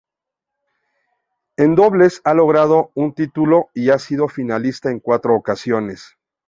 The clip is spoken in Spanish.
En dobles ha logrado un título y ha sido finalista en cuatro ocasiones.